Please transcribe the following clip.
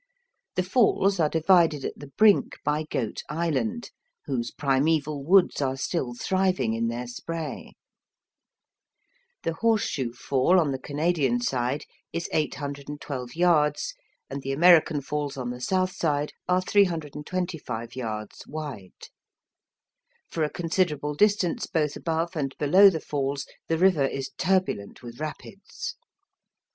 The Falls are divided at the brink by Goat Island, whose primeval woods are still thriving in their spray. The Horseshoe Fall on the Canadian side is 812 yards, and the American Falls on the south side are 325 yards wide. For a considerable distance both above and below the Falls the river is turbulent with rapids.